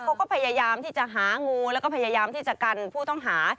เขาก็พยายามที่จะหางูแล้วก็พยายามที่จะกันผู้ต้องหา